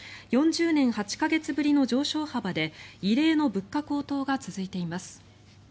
４０年８か月ぶりの上昇幅で異例の物価高騰が続いています。